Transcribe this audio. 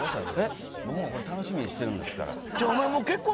僕も楽しみにしているんですから。